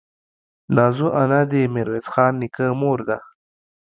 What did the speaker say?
نازو انا دې ميرويس خان نيکه مور ده.